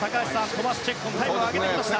トマス・チェッコンタイムを上げてきました。